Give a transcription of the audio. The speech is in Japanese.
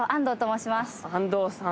安藤さん。